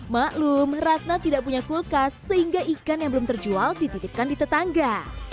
maklum ratna tidak punya kulkas sehingga ikan yang belum terjual dititipkan di tetangga